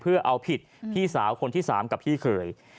เพื่อเอาผิดพี่สาวคนที่๓กับพี่เคย